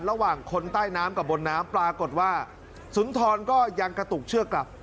ระหว่างคนใต้น้ำกับบนน้ำปรากฏว่าสุนทรก็ยังกระตุกเชือกกลับ